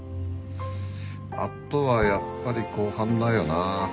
あとはやっぱり後半だよな。